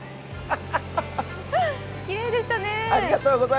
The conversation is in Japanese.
きれいでしたね。